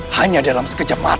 hanya dalam sekejap mata